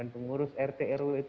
pengurus rtru itu